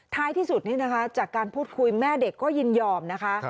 ท้ายที่สุดนี่นะคะจากการพูดคุยแม่เด็กก็ยินยอมนะคะ